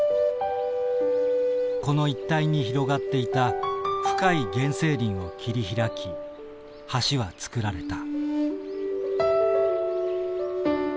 この一帯に広がっていた深い原生林を切り開き橋は造られた。